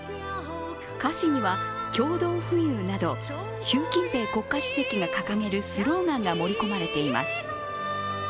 歌詞には共同富裕など習近平国家主席が掲げるスローガンが盛り込まれています。